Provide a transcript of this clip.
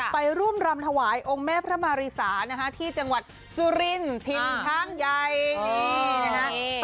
ไปรุ่มรำถวายองค์แม่พระมาริสาที่จังหวัดสุรินทินทางใหญ่ดีนะคะ